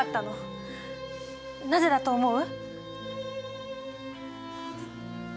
なぜだと思う？